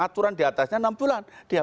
aturan diatasnya enam bulan dia